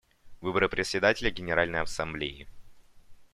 Выборы Председателя Генеральной Ассамблеи.